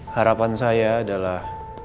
harapan saya adalah